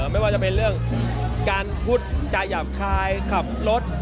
ไม่ว่าจะเป็นเรื่องการพูดจาหยาบคายขับรถ